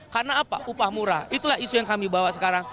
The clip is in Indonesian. karena apa upah murah itulah isu yang kami bawa sekarang